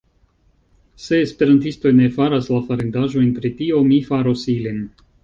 Se Esperantistoj ne faras la farendaĵojn pri tio, mi faros ilin.